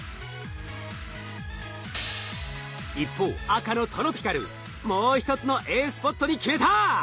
一方赤のトロピカルもう一つのＡスポットに決めた！